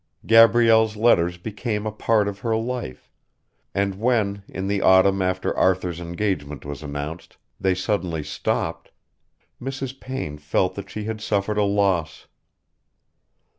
Gabrielle's letters became part of her life, and when, in the autumn after Arthur's engagement was announced, they suddenly stopped, Mrs. Payne felt that she had suffered a loss.